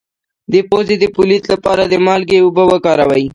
د پوزې د پولیت لپاره د مالګې اوبه وکاروئ